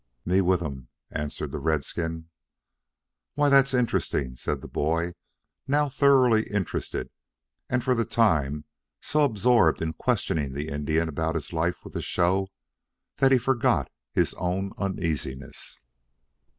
"Me with um," answered the redskin. "Why, that's interesting," said the boy, now thoroughly interested and for the time so absorbed in questioning the Indian about his life with the show that he forgot his own uneasiness.